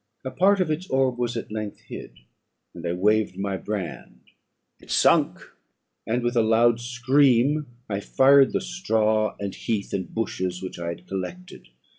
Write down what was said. A part of its orb was at length hid, and I waved my brand; it sunk, and, with a loud scream, I fired the straw, and heath, and bushes, which I had collected.